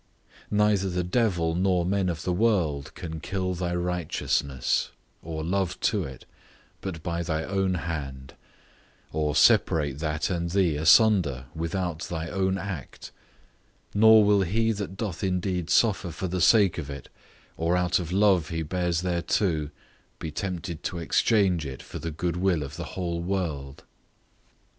Neither the devil, nor men of the world, can kill thy righteousness, or love to it, but by thy own hand; or separate that and thee asunder, without thy own act. Nor will he that doth indeed suffer for the sake of it, or out of love he bears thereto, be tempted to exchange it for the good will of the whole world.